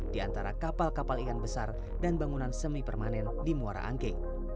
di antara kapal kapal ikan besar dan bangunan semi permanen di muara angke